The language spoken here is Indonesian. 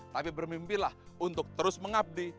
tapi bermimpilah untuk terus mengabdi